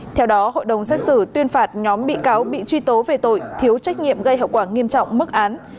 theo đó hội đồng xét xử tuyên phạt nhóm bị cáo bị truy tố về tội thiếu trách nhiệm gây hậu quả nghiêm trọng mức án